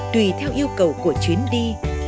tùy theo yêu cầu của chuyến đi